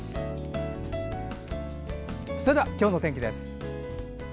それでは今日の天気です。